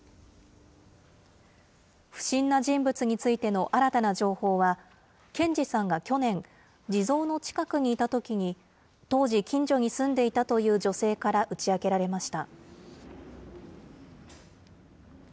不審な人物についての新たな情報は、賢二さんが去年、地蔵の近くにいたときに、当時、近所に住んでいたという女性から打ち明けられました。